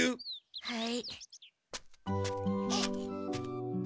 はい。